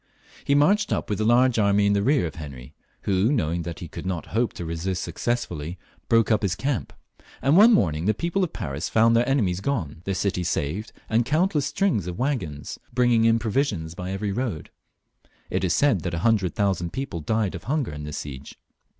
He marched up with a large army outside the army of Henry, who, knowing that he could not hope to resist successfully, broke up his camp; and one morning the people of Paris found their enemies 304 HENRY IV. [CH. gone, their city saved, and countless strings of waggons bringing in provisions by every road It is said that a hundred thousand people died of hunger in this siege.